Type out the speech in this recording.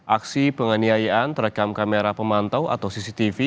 aksi penganiayaan terekam kamera pemantau atau cctv